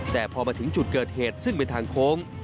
แต่พอมาถึงจุดเกิดเหตุซึ่งเป็นทางโค้ง